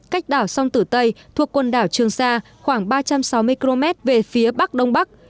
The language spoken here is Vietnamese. cách đảo sông tử tây thuộc quần đảo trường sa khoảng ba trăm sáu mươi km về phía bắc đông bắc